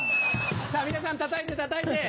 さぁ皆さんたたいてたたいて。